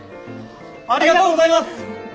ありがとうございます！